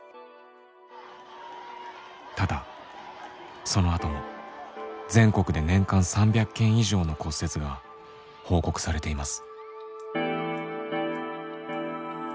ただそのあとも全国で年間３００件以上の骨折が報告されています。